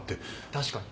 確かに。